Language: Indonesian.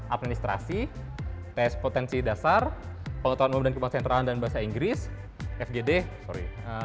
administrasi test potensi dasar pengetahuan umum dan kemaksaian terang dalam bahasa inggris fgd sorry